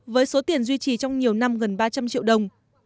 với số tiền duy trì trong nhiều năm gần ba trăm linh triệu đồng